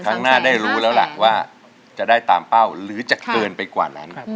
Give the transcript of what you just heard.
แล้วได้รู้ว่าจะได้ตามเป้าหรือจะเกินไปกว่า